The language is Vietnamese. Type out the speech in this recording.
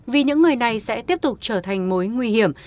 vì những người này sẽ tiếp tục trở thành mối nguy hiểm